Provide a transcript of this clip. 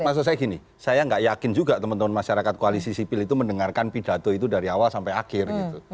maksud saya gini saya nggak yakin juga teman teman masyarakat koalisi sipil itu mendengarkan pidato itu dari awal sampai akhir gitu